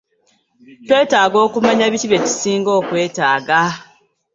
Twetaaga okumanya biki bye tusinga okwetaaga.